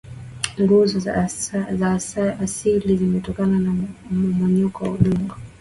nguzo za asili zimetokana na mmomonyoko wa udongo